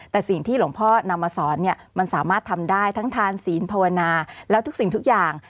แต่สิ่งที่หลวงพ่อนำมาสอนเนี่ยมันสามารถทำได้ทั้งทานศีลภาวนาแล้วทุกสิ่งทุกอย่าง